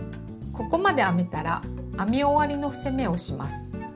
ここまで編めたら編み終わりの伏せ目をします。